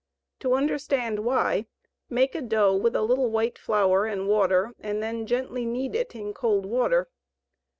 To understand why, make a dough with a little white flour and water and then gently knead it in cold water.